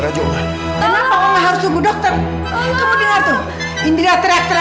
dokter sebelah dokter